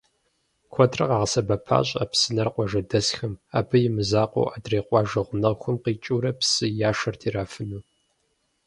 Куэдрэ къагъэсэбэпащ а псынэр къуажэдэсхэм, абы имызакъуэу, адрей къуажэ гъунэгъухэм къикӏыурэ псы яшэрт ирафыну.